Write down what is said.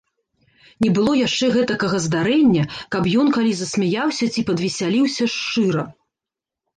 Не было яшчэ гэтакага здарэння, каб ён калі засмяяўся ці падвесяліўся шчыра.